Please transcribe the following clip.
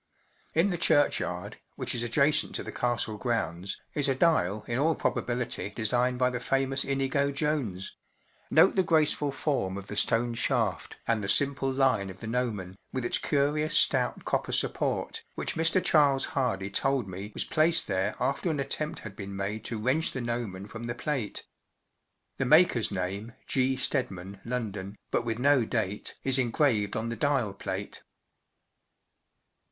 In the churchyard, which is adjacent to the Castle grounds, is a dial in all probability designed by the famous Inigo Jones—note the graceful form of the stone shaft and the simple line of the gnomon, with its curious stout copper support, which Mr. Charles Hardy told me was placed there after an attempt had been made to wrench the gnomon from the plate. The maker's name, “G* Stedman, London,” but with no date, is engraved on the dial plate.